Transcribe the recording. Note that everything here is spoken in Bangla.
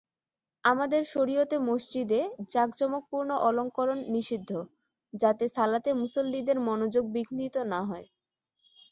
আমাদের শরীয়তে মসজিদে জাঁকজমকপূর্ণ অলংকরণ নিষিদ্ধ, যাতে সালাতে মুসল্লীদের মনোযোগ বিঘ্নিত না হয়।